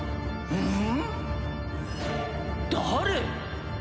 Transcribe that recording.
うん？